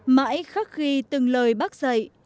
mãi khắc ghi từng lời bác dạy